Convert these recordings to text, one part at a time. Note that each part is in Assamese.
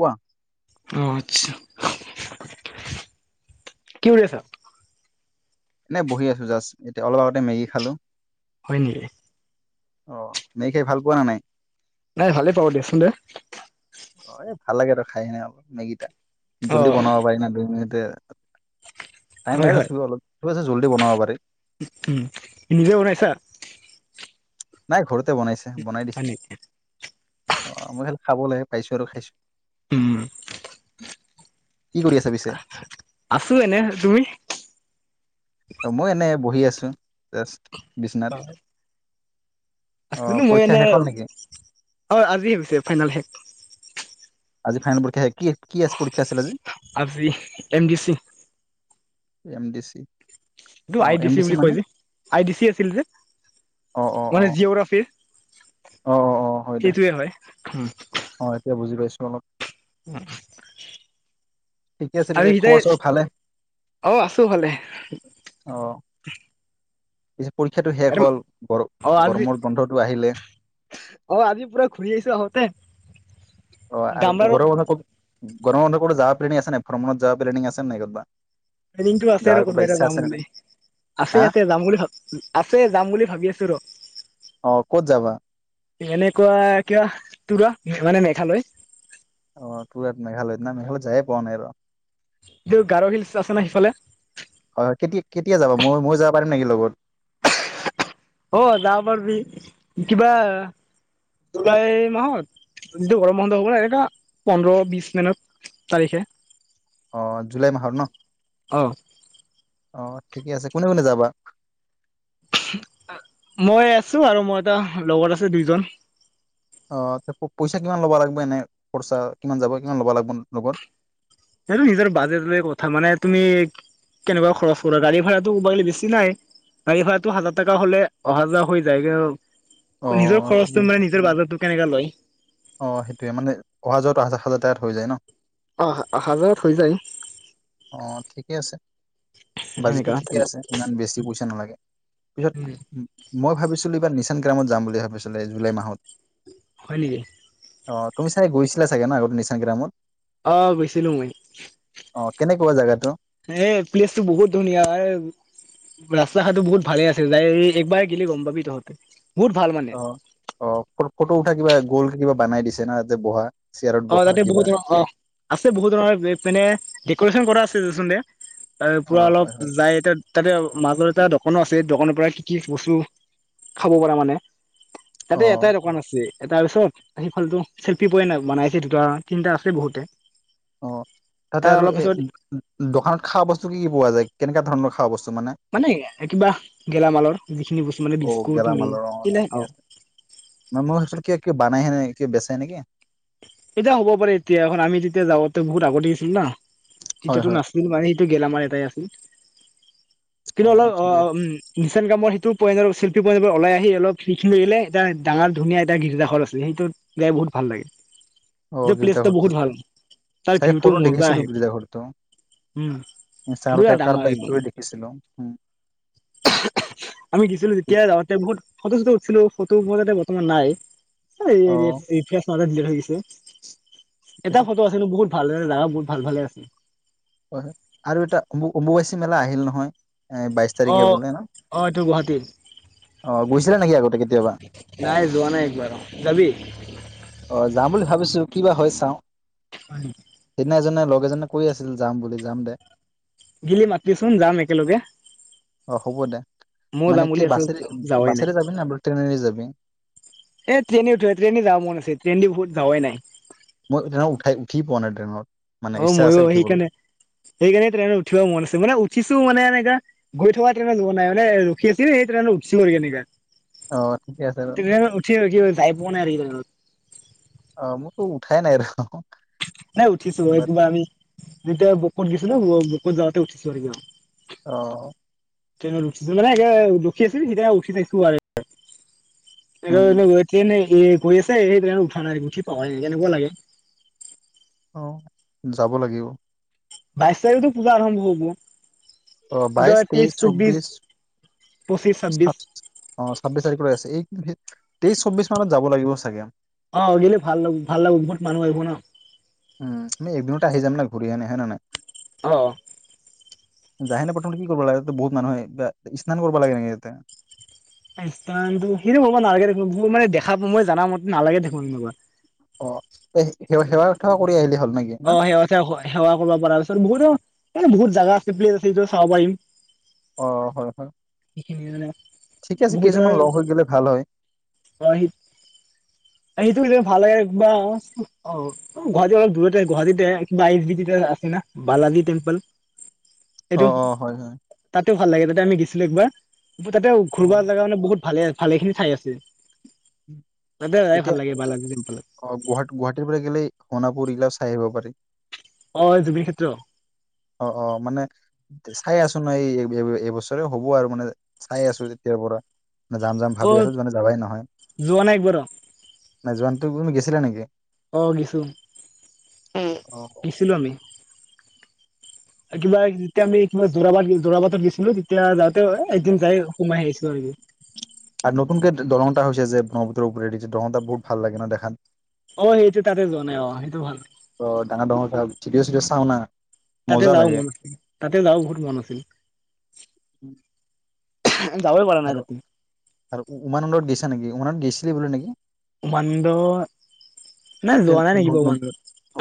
কোৱা? আহ আচ্ছা কি কৰি আছা? এনেই বহি আছো জাষ্ট এতিয়া অলপ আগতে মেগি খালো। হয় নেকি? অ মেগি খাই ভাল পোৱা না নাই? নাই ভালে পাওঁ দিয়াচোন দে। অ' এ ভাল লাগে ত খাই সেনে অলপ মেগি টা। অ জল্দি বনাব পাৰিনা দুই মিনিট। তে হয় হয় পাৰি উ নিজে বনাইছা? নাই ঘৰত। বনাইছে বনাই দিছে হয় নেকি অ' মই খাবলে পাইছো আৰু খাইছো। উম কি কৰি আছা পিছে আছো এনে! তুমি? অ' মই এনে বহিআছো জাছ। বিচনাত। অ আছিলো মই পৰীক্ষা এনে শেষ হ'ল নেকি হয় আজি ভাবিছে ফাইনেল শেষ। আজি ফাইনেল পৰীক্ষা কি কি পৰীক্ষা আছিল আজি। আজি M D C. M D C. এইটো অ আই ডি এম চি বুলি কৈ মানে যে আই ডি চি আছিল যে অ অ অ মানে জিঅগ্ৰাফিৰ অ অ অ হয় দে সেইটোৱে হয়। ফম। অ 'এতিয়া বুজি পাইছো অলপ। উম। ঠিকে আছে পিছে আৰু খবৰ সিটাই চবৰ ভালে অ' আছো ভালে যে পৰীক্ষাটো শেষ হল গৰ অ আজি গৰমৰ গোন্ধটো আহিলে। অ আজি পুৰা ঘূৰি আহিছো আহোতে অ ' আৰু গামলাৰ ঘৰৰ কথা কম গৰম বন্ধতো যাব প্লেনিং আছে নাই ভ্ৰমণত যোৱা প্লেনিং আছে নে। প্লেনিং আছে ৰ যাৱাৰ ক'তবা কোনোবা এটা ইচ্ছা যাম আছে নাই বুলি হা আছে আছে যাম বুলি ভাবি আছে যাম বুলি ভাবি আছো ৰ। অ ক'ত যাবা? এনেকুৱা কিবা তুৰা মানে মেঘালয়। অ' টোৰাত মেগালৈত না মেগলৈত যায়ে পোৱা নাই আৰু। দূৰ গাৰ হিলচ আছে ন সেইফালে। হয় হয় কেতিয়া কেতিয়া যাব মই মই যাব পাৰিম নেকি লগত? অ' যাব পাৰিবি কিবা জুলাই মাহত যটো গৰম বন্ধ হ'ব ন এনেককা পোন্ধৰ বিশ মিনত তাৰিখে। অ' জুুলাই মাহৰ ন। অ' অ' ঠিকে আছে কোনে কোনে যাবা? মই আছো আৰু মই এটা লগত আছে দুইজন অহ পইচা কিমান ল'বআ লাগিব, এনে খৰচা কিমান যাব কিমান ল'ব লাগিব লগত সেইটো নিজৰ বাজেট লৈ কথা মানে তুমি কেনেকুৱা খৰচ কৰা গাড়ী ভাড়াটো কবা গেলি বেছি নাই, গাড়ী ভাড়াতটো হাজাৰ টকা হ'লে অহা-যোৱা হৈ যায় কি অ', কেনেকা লয় -অ সেইটোয়ে মানে অহা যোৱাটোহ হাজাৰ [inaudible] অ হাজাৰত হৈ যায় অ' ঠিকে আছে, এনেকা বাজেটটো ঠিকে আছে, ইমান বেছি পইচা নালাগে, পিছত হয় মই ভাবিছিলো, এইবাৰ নিচ সেনগ্ৰামত যাম বুলি ভাবিছিলো এই জুলাই মাহত। হয় নেকি? অ' তুমি চাগ গৈছিলা চগে ন' আগতে নিচাং গ্ৰামত? অ' গৈছিলো মই অ' কেনেকুৱা জেগাটো এ প্লেচটো বহুত ধুনীয়া। ৰাস্তা-ঘাটটো বহুত ভালে আছে যাই একবাৰেই গিলি গম পাবি তহঁতে বহুত ভাল মানে অ', -অ' ফটো উঠা কিবা গ'ল কে কিবা বনাই দিছে ন তাতে বহা চেয়াৰত অ' বহা তাতে কিবা বহুত ধৰণৰ অ' আছে, বহুত ধৰণৰ মানে ডেক'ৰেশচন কৰা আছে। ৰহচোন দে তাৰ পুৰা অ' অলপ হয় হয় লাইটত তাতে মাজৰ এটা দোকানো আছে, দোকানৰ পৰা কি, কি বস্তু খাব পাৰা মানে তাতে অ' এটাই দোকান আছে। এ তাৰ পিছত সিফালতটো চেল্ফি প নাই বনাই সেই দুটা, তিনিটা আছে বহুতে অ' তাতে তাৰ আৰু অলপ এ পিছত দোকানত খোৱা বস্তু কি, কি পোৱা যায়। কেনেকা ধৰণৰ খোৱা বস্তু মানে কিবা গেলামালৰ যিখিনি বস্তু মানে অ' বিস্কুট ম গেলামালৰ কি ঠিকে অ' আছে। কে বেচাই নেকি? এতিয়া হ'ব পাৰে এতিয়া এখন আমি তেতিয়া যাওঁতে বহুত আগতে আছিলো ন হয় তেতিয়াতো হয় নাছিল মানে সেইটো গেলামাৰ এটাই আছিল কিন্তু অলপ অ ঠিকে আছে। উ ইচেণ্ট কামৰ সেইটো পৰ শিল্পী পয়নোৰ ওলাই আহি অলপ সিখিনিলে, এটা ডাঙৰ ধুনীয়া এটা গীৰ্জাঘৰ আছে, সেইটোত যাই বহুত ভাল লাগে। অ' এইটো গীৰ্জা প্লেচটা ঘৰটো বহুত ভাল, তাৰ চাগে ভিউটো ফটো মজা দেখিছিলো আহে গীৰ্জা ঘৰটো উম, ইনষ্টাগ্ৰামত পোৰা কাৰ- ডাঙৰ কাৰোবাৰ একদম ষ্টৰি দেখিছিলো। উম। আমি গৈছিলো যেতিয়া বহুত ফটো চটো উঠছিলো। ফটো উপজা বৰ্তমান নাই। এই অ এৰি ইতিসাহ মাজ [inaudible] ঠিক এটা আছে ফটো আছিলো বহুত ভাল জাগ বহুত ভাল, ভালে আছে। হয়-হয় আৰু এটা অম-অম্বুবাচী মেলা আহিল নহয়। এ বাইশ অ তাৰিখে বোলে ন আহ এইটো গুৱাহাটীত অ গৈছিলা নেকি আগতে কেতিয়াবা নাই যোৱা নাই একবাৰ যাবি। অ, যাম বুলি ভাবিছো কিবা হয় চাও। [unintelligible] সনাজনে লগ এজনে কৈ আছিল যাম বুলি যাম দে। গিলি মাতিচোন যাম একেলগে। অ হ'ব দে। ময়ো মানে যাম কি বুলি আছো বাছে যাৱাই নাই বাছেৰে যাবি ন আৰ ট্ৰেৰেনেৰে যাবি। এ ট্ৰেইন উঠোৱে ট্ৰেইন যা মন আছে ট্ৰেইন দি বহুত যাৱাই নাই। মই ত উঠাই উঠি পোৱা নাই ট্ৰেইনত। মানে অ ইচ্ছা আছে ময়ো উঠিবলৈ সেইকাৰণে সেইকাৰণে ট্ৰেইনত উঠিব মন আছে মানে উঠিছো মানে এনেকা গৈ থকা ট্ৰেনত যোৱা নাই মানে ৰখি আছিলো সেইট্ৰেইনত উঠি কেনেকা। অ ঠিকে আছে আৰু তে উঠি কি যাই পোৱা নাই আৰু অ মোৰতো উঠাই নাই ৰহ। নাই উঠিছো কিবা আমি যেতিয়া বকুত গিছিলো ন যাওঁতে উঠিছো আৰু। অহ ট্ৰেনত উঠি মানে লখি আছিল যেতিয়া উঠিইছো। [unintelligible] এ উম গৈ আছে সেইটো কাৰণে উঠা নাই গঠি পাই ন কেনেকুৱা লাগে। অ, যাব লাগিব। বাইশ তাৰিখতো পূজা আৰম্ভ হ'ব। অ বাইশ, তেইশ, চব্বিশ, ছাব্বিশ অ ছাব্বিশ তাৰিখলৈ আছে এই তেইশ চব্বিশ মানত যাব লাগিব চাগে। অ গিলে ভাল ল ভাল লাগব বহুত মানুহ আহিব ন। উম উচ্ আমি একদিনতে আহি যাম না ঘূৰি আহনে হে ন নাই। অ, অ। যাইকিনে প্ৰথমতে কি কৰিব লাগে, তাতে বহুত মানুহ আহে স্নান কৰিব লাগে নেকি তাতে। এই স্নানটো সেইটো কৰিব নালাগে দেখোন মই মানে দেখাৰ সময়ত মই জানা মতে নালাগে দেখোন এনেকুৱা। অ তই সে সেৱা সেৱা-থোৱা কৰি আহিলি হ'ল। নেকি অ না সেই সেৱা-থোৱা হয়। সেৱা কৰিব পৰাৰ পিছত বহুতো টাইম লাগে বহুত ভী জাগা। [unintelligible] অ, হয় হয়, সেইখিনি মানে ঠিকেই আছে বহুত কেইজনমান লগ হৈ অ গিলে ভাল হয়। সেইটো পিছে ভাল লাগে কিবা অ অ অ গুৱাহাটী অলপ দূৰতে গুৱাহাটীতে কিবা আই এচ বি টি তে আছে না বালাজি টেম্পল। অ, অ হয়, হয়। তেওঁক ভাল লাগে তেতিয়া আমি গেছিলো একবাৰ। কিন্তু তাতেও অ ঘূৰবাৰ জাগা মানে বহুত ভালেই আছে। ভালেখিনি ঠাই আছে। বান্দা গায়েব। এতিয়া অ গুৱাহ গুৱাহাটীৰ পৰা গেলেই সোণাপুৰ এইগিলাও চাই আহিব পাৰি। অঁ জুবিন ক্ষেত্ৰ। তোৰ ন এই এ এ এইবছৰে হ'ব আৰু মানে চাই আছো তেতিয়াৰ পৰা। মানে যাম- যাম অ ভাবি আছোঁতো মানে যাৱাই নহয়, যোৱা নাই একবাৰ নাই যোৱা না তুমি গেছিলা নেকি। অঁ গিছো, অ, গিছিলো আমি। আৰু কিবা যেতিয়া আমি মই যোৰাবাট যোৰাবাটত গেছিলো তেতিয়া যাওঁতে এই একদিন যাই সোমাই আহিছিলো আৰু এনে। আৰু নতুনকে দ দলং এটা হৈছে যে ব্ৰহ্মপুত্ৰৰ ওপৰেদি যে দলংটা বহুত ভাল লাগে ন দেখাত। অঁ সেইটো তাতে যোৱা নাই, অঁ সেইটো ভাল। অঁ ডাঙৰ- ডাঙৰ [unintelligible] টিবিয়ে চিবিয়ে চাও না। তাতে মজা যাব লাগে মন আছিল, তাতে যাব বহুত মন আছিল। উম। যাবই পৰা নাই আৰু- তাতে আৰু উমানন্দত গেছ নেকি উমানন্দত গেছিলি বুলে নেকি। উমানন্দ নাই যোৱা ন- নাই নেকি বাৰু ন উমানন্দত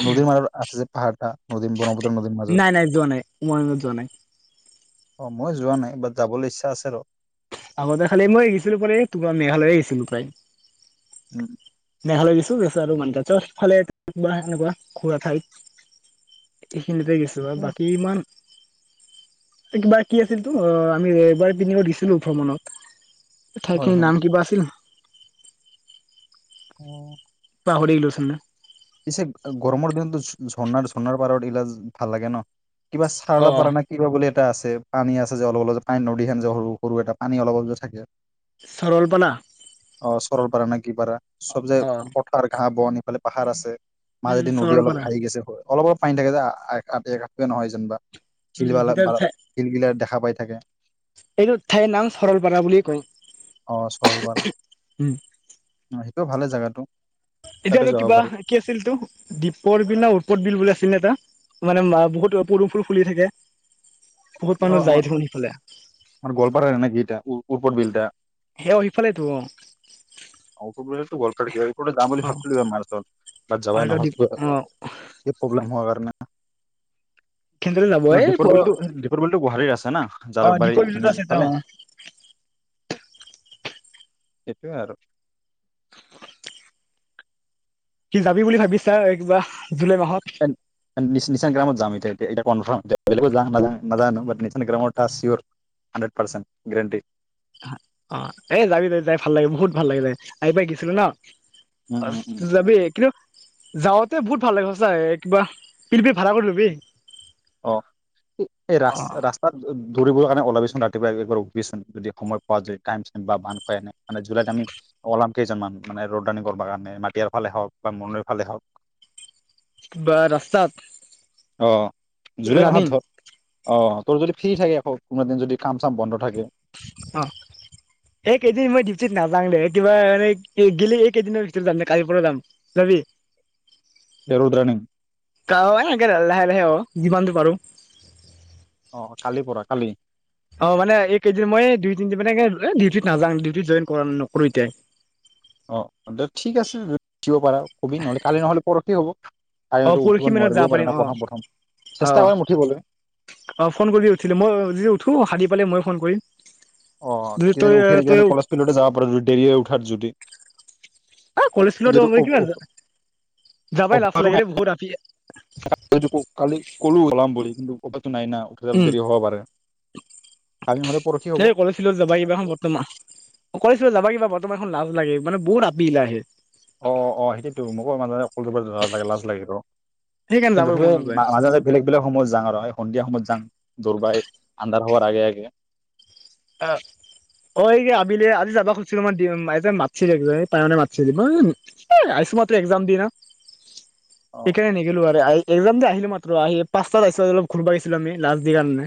নদীৰ মাজত আছে যে পাহাৰটা, নদীৰ ব্ৰহ্মপুত্ৰ নদীৰ মাজত, নাই নাই যোৱা নাই উমানন্দত যোৱা নাই অ মই যোৱা নাই। এবাৰ যাবলৈ ইচ্ছা আছে ৰ। আগতে খালি মই গিছিলো পৰে, তোমাৰ মেঘালয়ে গিছিলো প্ৰায়। উম মেঘালয় গৈছো আৰু মান্তা চ চবফালে এনেকুৱা সেনেকোৱা ঘূৰা ঠাইত এইখিনিতে গৈছো আৰু ঠিকে আছে বাকী ইমান এ কিবা কি আছিল, তো অঁ আমি এবাৰ পিকনিকত গিছিলোঁ। ভ্ৰমণত। হয় ঠাইখিনিৰ হয় নাম কিবা আছিল। অঁ পাহৰিলো চোন এ। পিছে গৰমৰ দিনটো ঝৰ্ণাৰ- ঝৰ্ণাৰ পাৰত [unintelligible] ভাল লাগে ন। কিবা অ চাওলা অ পাৰা নে কিবা বুলি এটা আছে, পানী আছে যে অলপ- অলপ যে পানী নদী খেন যে সৰু- সৰু এটা পানী অলপ- অলপ যে থাকে। চৰলপাৰা অঁ চৰল পাৰা নে কি পাৰা, চব জে অ পথাৰ ঘাঁ বন ইফালে পাহাৰ আছে [inaudible] উম মাজেদি নদী অলপ চৰলপাৰা ভাঁহি গেছে হয়। অলপ-অলপ পানী থাকে যে, আপে ঘাটে নহয় যেনবা। উম শিলবালাক সিতাৰ পাৰৰ ঠাই শিল গিলা দেখা পাই থাকে। এইটো ঠাইৰ নাম সৰলপাৰা বুলি কয় অ চৰলপাৰা সেইটো ভালে জেগাটো, এতিয়া আৰু কিবা কি আছিল তো দ্বীপৰ বিনা উৎপত বিল বুলি আছিল নে এটা মানে বহুত পদুমফুল ফুলি থাকে। বহুত অ মানুহ অ যায় দেখোন সিফালে আমাৰ গোৱালপাৰা মানে নেকি ই তা ওপৰ বিল এটা হে সেইফালে তো অ অ গল গে [inaudible] যাম বুলি অ ভাব চিলোঁ টো মাৰলাত আৰু যাবাই এটা নহল দ্বীপ কিবা অ প্ৰব্লেম হোৱা কাৰণে সেইফালে যাব কিন্তু এই দীপৰ বিলটো দীপৰ বিলটো গোাহালীৰ আছে না অ জালুকবাৰী দ্বীপৰ বিলতো এইখিনি আছে অ ইফালে সেইটোৱে আৰু কি যাবি বুলি ভাবিছা এ কিবা, জুলাই মাহত এন এন নিচান গ্ৰামত যাম এতিয়া এতিয়া কনফাৰ্ম- বেলেগত, না নাজানো বাত নিশাগ্ৰামট তাস্ত চেৰিয়ৰ হানড্ৰেদ পাচেন গেৰাণণ্টি অ এ যাবি যাবি যাই ভাল লাগি বহুত ভাল লাগে যাই আহি পাই গিছিলো ন উম অ উম উম। যাবি কিন্তু, যাওঁতে বহুত ভাল লাগে, সচাই কিবা পিকনিকৰ ভাড়া কৰিবি। অঁ এই ৰাস্তাত- দৌৰিবৰ কাৰণে ওলাবিচোন ৰাতিপুৱা একবাৰ উঠবিিচোন যদি সময় পোৱা যদি টাইম বা' বান খুৱাই আনে মানে, জুলাইত আমি ওলাম কেইজনমান মানে ৰ'ডাং, ৰিণংকৰ কাৰণে মাটিৰ ফালে হওক বা মৌলয় ফালে হওক। বা ৰাস্তাত। অ জুলাই ৰানিং মাহত। অঁ তোৰ যদি ফ্ৰী থাকে, আকৌ কেইদিন মান যদি কাম, চাম বন্ধ থাকে। অঁ এই কেইদিন মই ডিউটিত নাযাওঁ দে, কিবা এ' গলে এইকেইদিনৰ ভিতৰতে যাম দে। কালিৰ পৰা যাম যাবি? জেৰুৰ ৰাণিং। [unintelligible] এনেকে লাহে, লাহে অঁ যিমানটো পাৰো। অ কালিৰ পৰা কালি অঁ মানে, এইকেইদিন মই দুই, তিনদিন মানে- ডিউটিত নাজাও, ডিউটিত জইন নকৰো এতিয়াই। অঁ, ঠিক আছে, দিব পাৰা। [unintelligible] নহলে পৰষি হ'ব আৰু অঁ সিহঁতে উঠিব পৰশি মানত নোৱাৰিবও যাব পাৰে ন পাৰিম। অঁ, প্ৰথম প্ৰথম চেষ্টা অঁ, কৰিম উঠিবলৈ অঁহ ফোন কৰি উঠিলে, মই যদি উঠো, সাৰ পালে মই- ফোন কৰিম। অঁ যদি কি তই জানী উঠি তই এনেকে কলেজ ফিল্ডতে যাব পাৰো, যদি দেৰি হয়, উঠাৰ যদি। আহ কলেজত যিটো কিমান যোৱা, যাবাই লাচ অভ্যাসটো লাগে নাই ৰে বহুত আপি- [unintelligible] নাই, না। উঠিলে অলপ উম দেৰি হব পাৰে। কালি নহলে, পৰষি হ'ব। গৈছিলো, যাব কিবা এখন বৰ্তমান, অকলে চোন জাব বৰ্তমান এখন লাজ লাগে। মানে, বহুত আপিগিলাক আহে। অঁ, অঁ, অঁ, সেইটোৱে তো মোৰো মানে লাজ লাগেটো। সেইকাৰণে কিন্তু, যাবই সেই মন মাজে, নাযায় মাজে, বেলেগ, বেলেগ সময়ত যাওঁ আৰু। সন্ধিয়া সময়ত যাওঁ? দৌৰ মাই আন্ধাৰ হোৱাৰ আগে, আগে- অঁ, অঁ এই আবেলি আজি যাব খুজিছিলো মই, তাই মাতিছিলে, তাই মানে মাতিছিলে, এ' আহিছো এইমাত্ৰ মই এক্জাম দি না। অ সেইকাৰণে নগলো আৰু। এক্জাম দি আহিলো মাত্ৰ, আহি পাঁচটাত আহিছো, অলপ ঘূৰিব আহিছিলো আমি, লাষ্ট এক্সাম কাৰণে।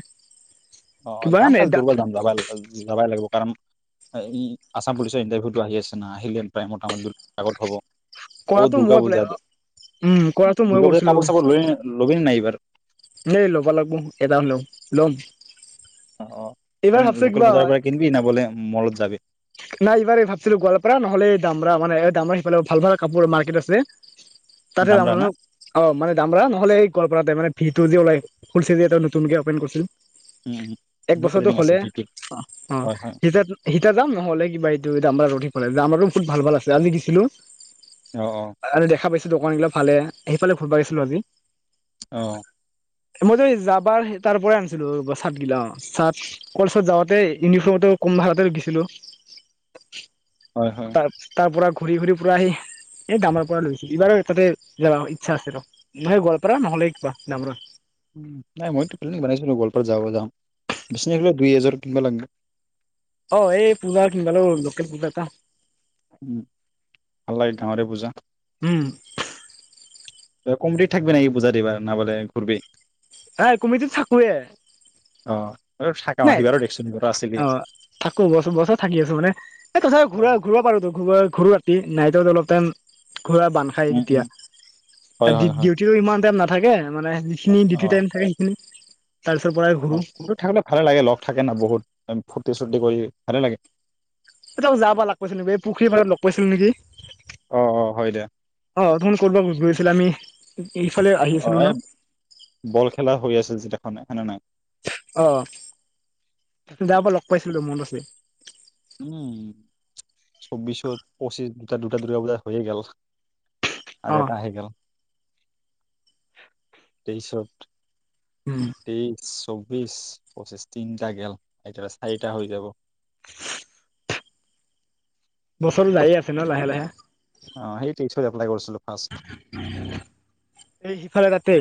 অঁ কিবা যাম, নাই কালিলৈ দূৰত যাম, যাবা? যাবই লাগিব। কাৰণ, আছাম পুলিচৰ ইণ্টাৰভিউটো আহি আছে না, আহিলে প্ৰেৰাই মোটামুটি দৌৰাতো আগতে হ'ব। অঁ কৰাটো মই দুৰ্গা পূজাত। উম কৰাটো মই দুৰ্গা পূজাত কৰিছিলো কাপোৰ, চাপোৰ লবি নে, নাই এইবাৰ? এনেই ল'ব লাগিব, এটা মান, লম, লম। অঁ, অঁ এইবাৰ এনেই ভাবছো লোকেল কিবা বজাৰৰ পৰা কিনিবি নে, বোলে মলত যাবি? নাই। এইবাৰ ভাবছিলো গোৱাল পাৰা নহ'লে দামৰা মানে, দামৰা সিফালে ভাল, ভাল কাপোৰ মাৰ্কেট আছে। তা'তে যাম। দামৰা না অঁ মানে, যাম ৰ নহ'লে এই কলপাৰতে মানে, ভিত- ত ওলাই, এটা নতুকৈ অপেন কৰিছে। উম উম এক মোৰ বছৰটো প্লেনিং আছে হ'লে ভিটিত অ হয় হয় সীতা সীতিয়া যাম। কালে কিবা এইটো দামবাৰ ৰধিক পালে দামবাৰটো বহুত ভাল ভাল আছে আমি দিছিলো। অ অ আৰু দেখা পাইছ। দোকান গিলা ভালে সেইফালে ঘৰব আহিছিলো আজি। অ। মই যে যাবাৰ তাৰ পৰাই আনিছিলো চাৰ্টগিলা অ চাৰ্ট কলেজত যাওঁতে ইউনিফৰ্মটো কম ভাড়াতে গিছিলো। হয় হয় তাৰ তাৰ পৰা। ঘূৰি ঘূৰি পূৰা আহি এই দামৰ পৰা লৈছিল এইবাৰ তাতে যাব ইচ্ছা আছে আৰু নহয় গোৱপাৰা নহ'লে কিবা ডামৰা। উ নাই মইতো প্লিনিক বনাইছিলো গোৱালপাৰাত যাব যাওঁ বিছিনলে দুই এযোৰ কিনিব লাগব। অ এই পূজা কিনিবালো লোকেল পূজা এটা। উম ভাল লাগে গাঁৱৰে পূজা। উম। এ কমৰি থাকিব না ই বুজা দিবা নাবালে ঘুৰবি। হে কমিতিত থাকোৱে। অ আৰু থাকা নাই সিবাৰো দেখচোন ঘৰত আছিলি অ থাকো ব বছৰ থাকি আছো মানে এ তথা অ ঘূৰা ঘূৰাব পাৰো ঘ ঘূৰোৱা। তি নাইতত অলপ টাইম। ঘূৰা বান খায় উম উম তেতিয়া হয় ডি হয় হয় ডিউটিও ইমান টাইম না থাকে মানে। খিনি ডিউটি অ টাইম থাকে সেখিনি। [unintelligible] অ কোনটো থাকল ভাল লাগে ল। থাকে ন বহুত ফূৰ্তি চূৰ্তি কৰি ভালে লাগে। এতাও যাবা লাগ কৈছিল নেকি বে পুখুৰী পাৰত লগ পাইছিল নেকি। অ অ হয় দে অ অৰথোন কৰিব গৈছিল আমি ইফালে আহি অ আছিলো এই ন। হনা হানা নাই। অ যাবা লগ পাইছিলো মনত আছে। উম চবিশৰ পঁচিছ দুটা দুটা দুৰ্গাপূজা হৈয়ে গল। অ আৰু এটা আহি গেল। তেইছত। উম তেইছ চব। বিশ পঁচিছ তিনিটা গেল এটা চাৰিটা হৈ যাব। [unintelligible] বছৰ যাই আছে ন লাহে লাহে। অ সেই টেইশত এপ্লাই কৰিছিলো। ফাৰ্ষ্ট এই সিফালে তাতে।